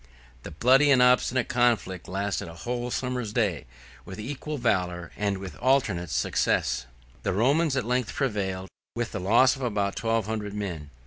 The bloody and obstinate conflict lasted a whole summer's day, with equal valor, and with alternate success. The Romans at length prevailed, with the loss of about twelve hundred men.